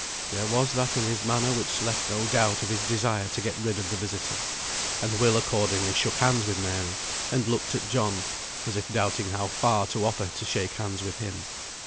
There was that in his manner which left no doubt of his desire to get rid of the visitor, and Will accordingly shook hands with Mary, and looked at John, as if doubting how far to offer to shake hands with him.